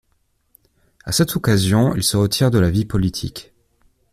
À cette occasion, il se retire de la vie politique.